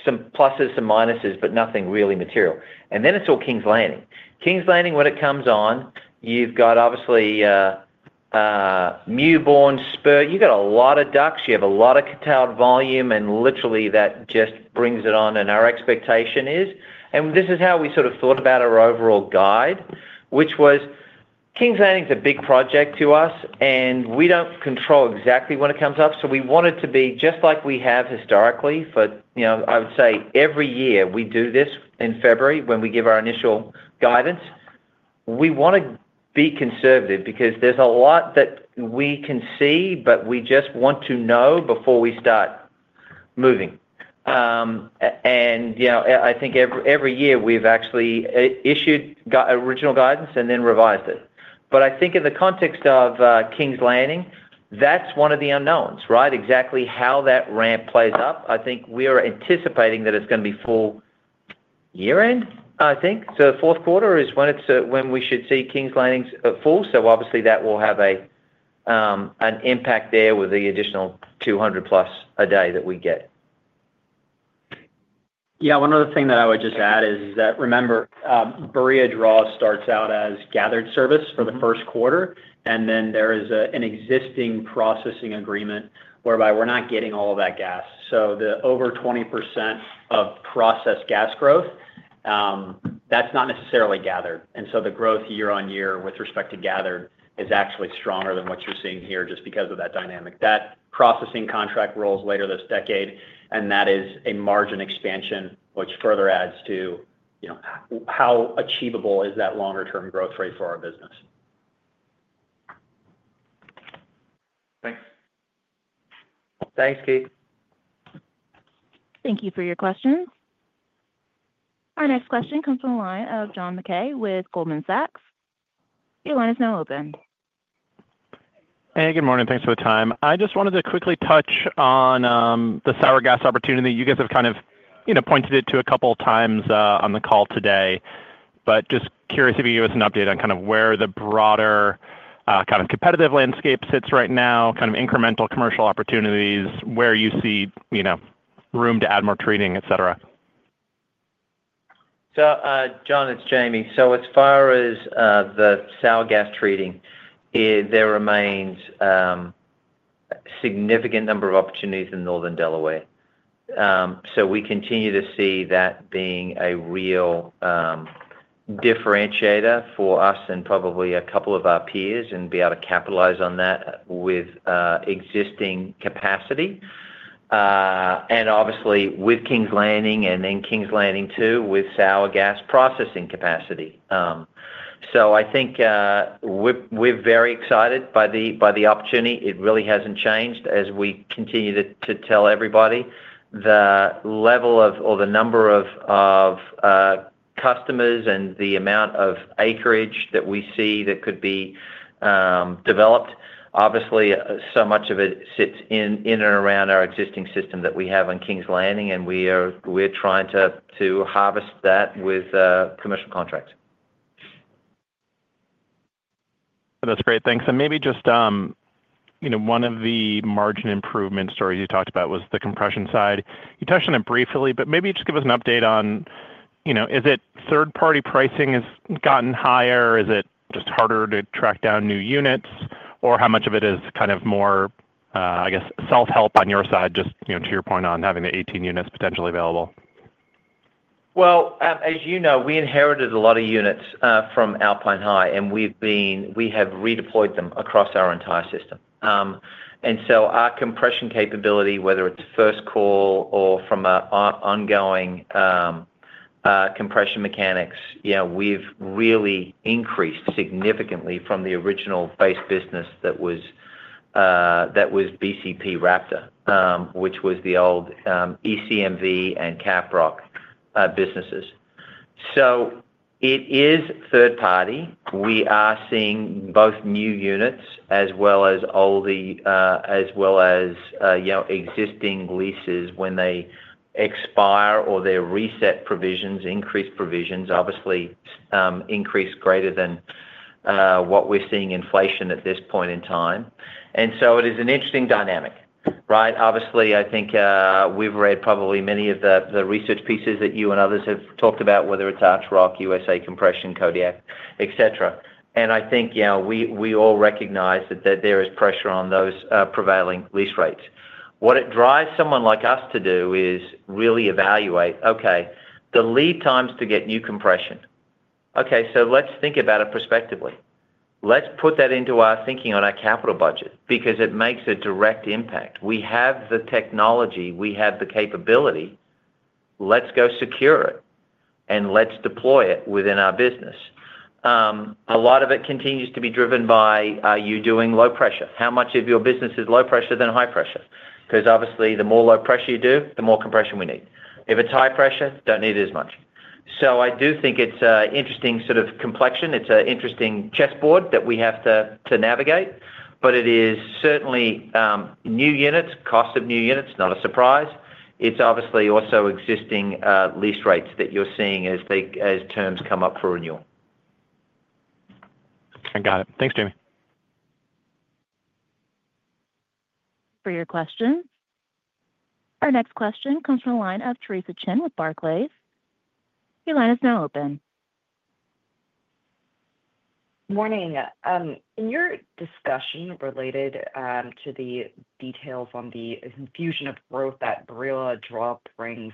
some pluses, some minuses, but nothing really material. And then it's all Kings Landing. Kings Landing, when it comes on, you've got obviously Mewbourne, Spur. You've got a lot of DUCs. You have a lot of curtailed volume, and literally that just brings it on. Our expectation is, and this is how we sort of thought about our overall guide, which was Kings Landing is a big project to us, and we don't control exactly when it comes up. So we want it to be just like we have historically. But I would say every year we do this in February when we give our initial guidance. We want to be conservative because there's a lot that we can see, but we just want to know before we start moving. And I think every year we've actually issued original guidance and then revised it. But I think in the context of Kings Landing, that's one of the unknowns, right? Exactly how that ramp plays up. I think we're anticipating that it's going to be full year-end, I think. So the Q4 is when we should see Kings Landing's full. So obviously, that will have an impact there with the additional 200-plus a day that we get. Yeah. One other thing that I would just add is that, remember, Barilla Draw starts out as gathered service for the Q1, and then there is an existing processing agreement whereby we're not getting all of that gas. So the over 20% of processed gas growth, that's not necessarily gathered. And so the growth year-on-year with respect to gathered is actually stronger than what you're seeing here just because of that dynamic. That processing contract rolls later this decade, and that is a margin expansion, which further adds to how achievable is that longer-term growth rate for our business. Thanks. Thanks, Keith. Thank you for your questions. Our next question comes from a line of John Mackay with Goldman Sachs. Your line is now open. Hey, good morning. Thanks for the time. I just wanted to quickly touch on the sour gas opportunity. You guys have kind of pointed to it a couple of times on the call today, but just curious if you give us an update on kind of where the broader kind of competitive landscape sits right now, kind of incremental commercial opportunities, where you see room to add more treating, etc. John, it's Jamie. As far as the sour gas treating, there remains a significant number of opportunities in northern Delaware. We continue to see that being a real differentiator for us and probably a couple of our peers and be able to capitalize on that with existing capacity. Obviously, with Kings Landing and then Kings Landing 2 with sour gas processing capacity. I think we're very excited by the opportunity. It really hasn't changed as we continue to tell everybody the level of or the number of customers and the amount of acreage that we see that could be developed. Obviously, so much of it sits in and around our existing system that we have on Kings Landing, and we're trying to harvest that with commercial contracts. That's great. Thanks. And maybe just one of the margin improvement stories you talked about was the compression side. You touched on it briefly, but maybe just give us an update on is it third-party pricing has gotten higher? Is it just harder to track down new units? Or how much of it is kind of more, I guess, self-help on your side, just to your point on having the 18 units potentially available? As you know, we inherited a lot of units from Alpine High, and we have redeployed them across our entire system, and so our compression capability, whether it's first call or from our ongoing compression mechanics, we've really increased significantly from the original base business that was BCP Raptor, which was the old ECMV and Caprock businesses, so it is third-party. We are seeing both new units as well as old as well as existing leases when they expire or they reset provisions, increase provisions, obviously increase greater than what we're seeing inflation at this point in time, and so it is an interesting dynamic, right? Obviously, I think we've read probably many of the research pieces that you and others have talked about, whether it's Archrock, USA Compression, Kodiak, etc., and I think we all recognize that there is pressure on those prevailing lease rates. What it drives someone like us to do is really evaluate, okay, the lead times to get new compression. Okay. So let's think about it prospectively. Let's put that into our thinking on our capital budget because it makes a direct impact. We have the technology. We have the capability. Let's go secure it and let's deploy it within our business. A lot of it continues to be driven by you doing low pressure. How much of your business is low pressure than high pressure? Because obviously, the more low pressure you do, the more compression we need. If it's high pressure, don't need it as much. So I do think it's an interesting sort of complexion. It's an interesting chessboard that we have to navigate, but it is certainly new units, cost of new units, not a surprise.It's obviously also existing lease rates that you're seeing as terms come up for renewal. I got it. Thanks, Jamie. For your questions. Our next question comes from a line of Theresa Chen with Barclays. Your line is now open. Good morning. In your discussion related to the details on the infusion of growth that Barilla Draw brings,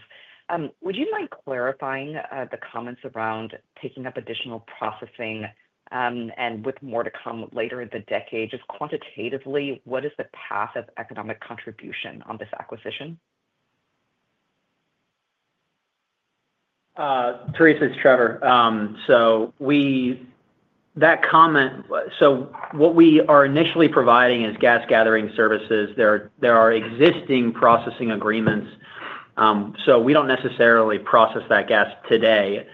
would you mind clarifying the comments around picking up additional processing and with more to come later in the decade? Just quantitatively, what is the path of economic contribution on this acquisition? Thanks, Teresa. So that comment, so what we are initially providing is gas gathering services. There are existing processing agreements. So we don't necessarily process that gas today.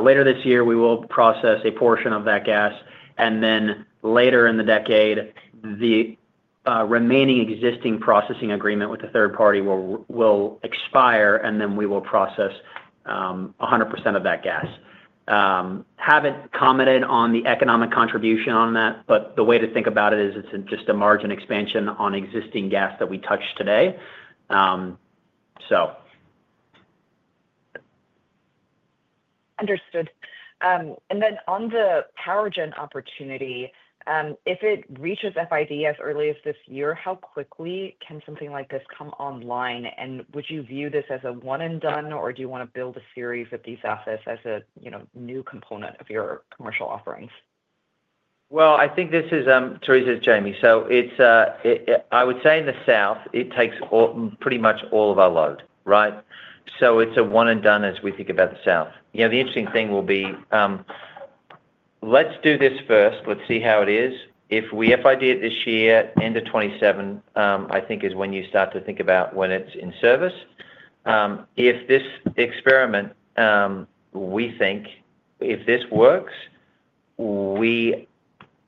Later this year, we will process a portion of that gas. And then later in the decade, the remaining existing processing agreement with the third party will expire, and then we will process 100% of that gas. Haven't commented on the economic contribution on that, but the way to think about it is it's just a margin expansion on existing gas that we touched today, so. Understood. And then on the power gen opportunity, if it reaches FID as early as this year, how quickly can something like this come online? And would you view this as a one-and-done, or do you want to build a series of these assets as a new component of your commercial offerings? Well, I think this is Teresa's Jamie. So I would say in the south, it t=akes pretty much all of our load, right? So it's a one-and-done as we think about the south. The interesting thing will be, let's do this first. Let's see how it is. If we FID it this year, end of 2027, I think is when you start to think about when it's in service. If this experiment, we think, if this works, we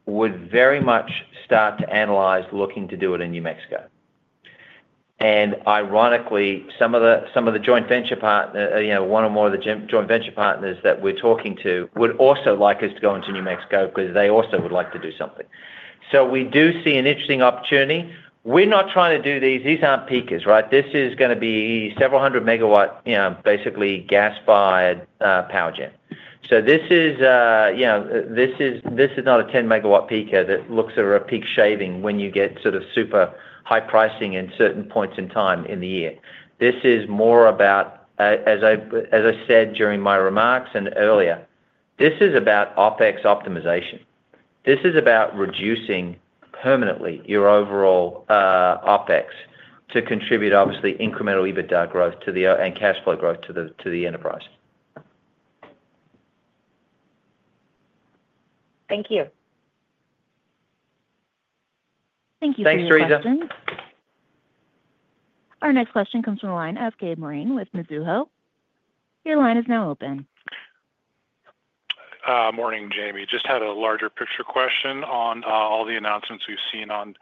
would very much start to analyze looking to do it in New Mexico. And ironically, some of the joint venture partners, one or more of the joint venture partners that we're talking to would also like us to go into New Mexico because they also would like to do something. So we do see an interesting opportunity. We're not trying to do these. These aren't peakers, right? This is going to be several hundred megawatt, basically gas-fired power gen. So this is not a 10-megawatt peaker that looks at a peak shaving when you get sort of super high pricing in certain points in time in the year. This is more about, as I said during my remarks and earlier, this is about OpEx optimization. This is about reducing permanently your overall OpEx to contribute, obviously, incremental EBITDA growth and cash flow growth to the enterprise. Thank you. Thank you for your questions. Thanks, Teresa. Our next question comes from a line of Gabe Moreen with Mizuho. Your line is now open. Morning, Jamie. Just had a larger picture question on all the announcements we've seen on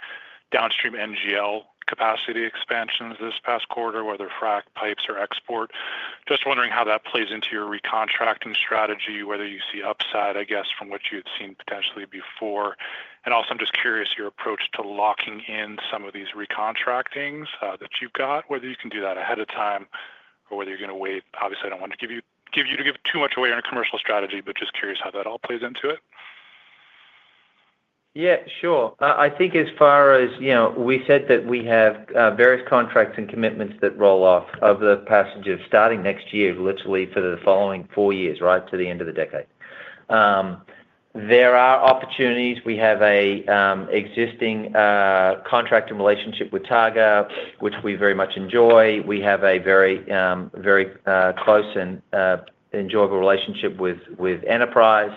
downstream NGL capacity expansions this past quarter, whether frac, pipes, or export. Just wondering how that plays into your recontracting strategy, whether you see upside, I guess, from what you had seen potentially before. And also, I'm just curious your approach to locking in some of these recontractings that you've got, whether you can do that ahead of time or whether you're going to wait. Obviously, I don't want you to give too much away on a commercial strategy, but just curious how that all plays into it. Yeah, sure. I think as far as we said that we have various contracts and commitments that roll off of the passage of starting next year, literally for the following four years, right, to the end of the decade. There are opportunities. We have an existing contracting relationship with Targa, which we very much enjoy. We have a very close and enjoyable relationship with Enterprise.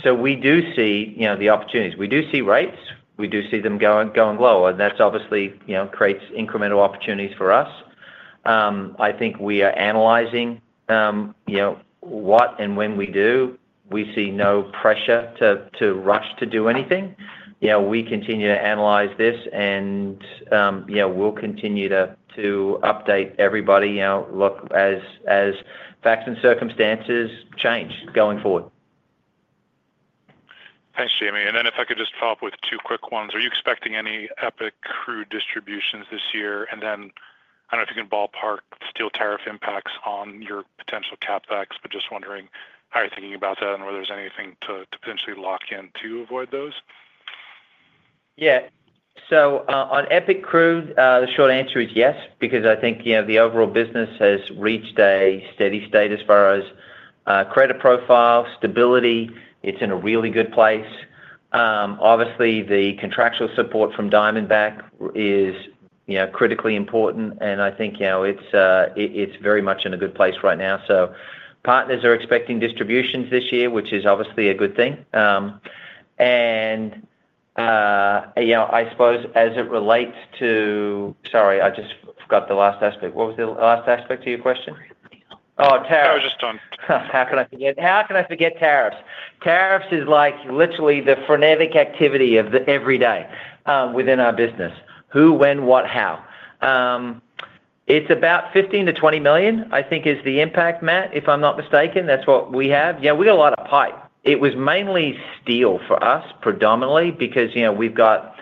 So we do see the opportunities. We do see rates. We do see them going lower. And that obviously creates incremental opportunities for us. I think we are analyzing what and when we do. We see no pressure to rush to do anything. We continue to analyze this, and we'll continue to update everybody, look, as facts and circumstances change going forward. Thanks, Jamie. And then if I could just follow up with two quick ones. Are you expecting any EPIC Crude distributions this year? And then I don't know if you can ballpark steel tariff impacts on your potential CapEx, but just wondering how you're thinking about that and whether there's anything to potentially lock in to avoid those. Yeah. So on EPIC Crude, the short answer is yes because I think the overall business has reached a steady state as far as credit profile, stability. It's in a really good place. Obviously, the contractual support from Diamondback is critically important, and I think it's very much in a good place right now. So partners are expecting distributions this year, which is obviously a good thing. And I suppose as it relates to, sorry, I just forgot the last aspect. What was the last aspect of your question? Oh, tariffs. I was just on. How can I forget tariffs? Tariffs is literally the frenetic activity of every day within our business. Who, when, what, how. It's about $15 million-$20 million, I think, is the impact, Matt, if I'm not mistaken. That's what we have. Yeah, we got a lot of pipe. It was mainly steel for us, predominantly, because we've got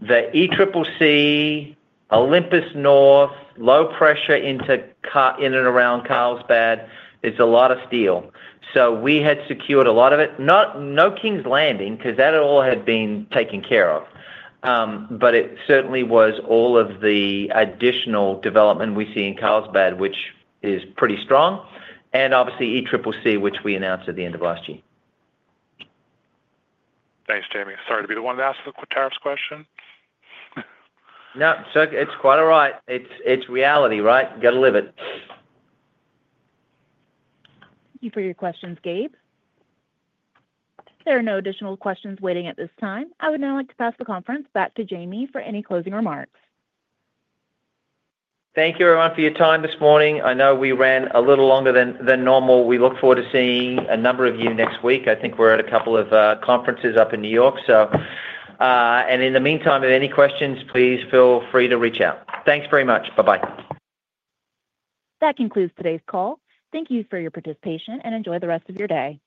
the ECCC, Olympus North, low pressure in and around Carlsbad. It's a lot of steel. So we had secured a lot of it. No Kings Landing because that all had been taken care of. But it certainly was all of the additional development we see in Carlsbad, which is pretty strong. And obviously, ECCC, which we announced at the end of last year. Thanks, Jamie. Sorry to be the one that asked the tariffs question. No, it's quite all right. It's reality, right? You got to live it. Thank you for your questions, Gabe. There are no additional questions waiting at this time. I would now like to pass the conference back to Jamie for any closing remarks. Thank you, everyone, for your time this morning. I know we ran a little longer than normal. We look forward to seeing a number of you next week. I think we're at a couple of conferences up in New York. And in the meantime, if any questions, please feel free to reach out. Thanks very much. Bye-bye. That concludes today's call. Thank you for your participation and enjoy the rest of your day.